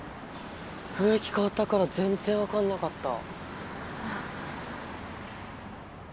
雰囲気変わったから全然分かんなかった！